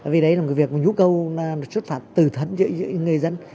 vì đấy là một cái việc mà nhu cầu nó xuất phạt từ thẫn giữa những người dân